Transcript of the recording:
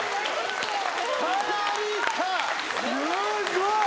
すごい！